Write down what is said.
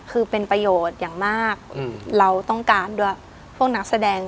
คือเป็นประโยชน์อย่างมากเราต้องการด้วยพวกนักแสดง